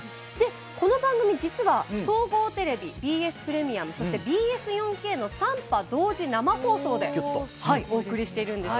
この番組実は総合テレビ、ＢＳプレミアムそして、ＢＳ４Ｋの３波同時生放送でお送りしているんです。